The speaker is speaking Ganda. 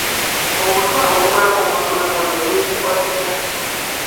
Obutwa obuweebwa omuntu mu mwenge buyitibwa butya?